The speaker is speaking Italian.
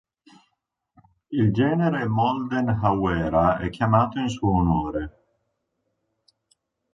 Il genere "Moldenhawera" è chiamato in suo onore.